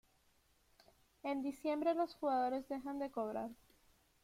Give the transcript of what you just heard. En diciembre los jugadores dejan de cobrar.